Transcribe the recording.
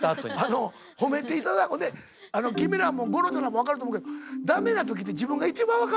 あの褒めていただほんで君らも吾郎ちゃんらも分かると思うけど駄目な時って自分が一番分かるやんか。